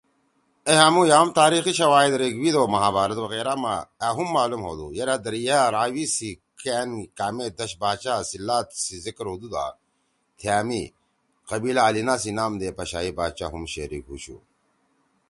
ائں ہامُو یام تاریخی شواہد ”رِگ وید او مہا بھارت“ وغیرہ ما أ ہُم معلوم ہودُو یرأ دریا راوی سی کأن کامے دش باچا سی لات سی ذکر ہُودُو دا تھئے می قبیلہ ”الینا“ سی نام دے اے پشائی باچا ہُم شریک ہُوشُو۔